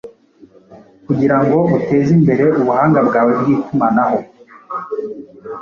kugirango utezimbere ubuhanga bwawe bwitumanaho